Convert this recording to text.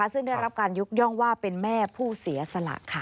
ซึ่งได้รับการยกย่องว่าเป็นแม่ผู้เสียสละค่ะ